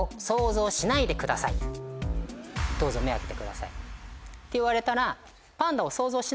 どうぞ目を開けてください。って言われたら。